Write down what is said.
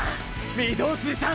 御堂筋さん！！